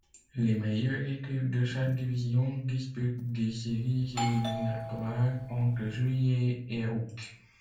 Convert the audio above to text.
Les meilleures équipes de chaque division disputent des séries éliminatoires entre juillet et août.